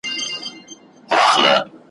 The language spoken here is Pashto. محلي کلتور تمدنونو، تاريخ حافظه